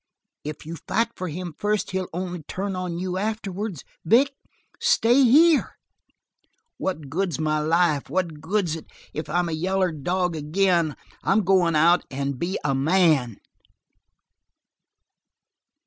"If you fight for him first he'll only turn on you afterwards. Vic, stay here." "What good's my life? What good's it if I'm a yaller dog ag'in? I'm goin' out and be a man!"